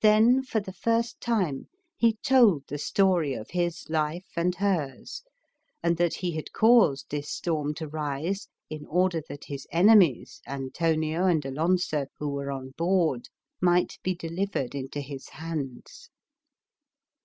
Then, for the first time, he told the story of his life and hers, and that he had caused this storm to rise in order that his enemies, Antonio and Alonso, who were on board, might be delivered into his hands.